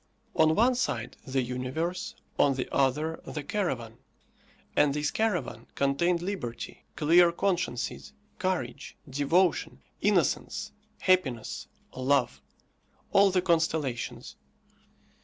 On one side, the universe; on the other, the caravan; and this caravan contained liberty, clear consciences, courage, devotion, innocence, happiness, love all the constellations.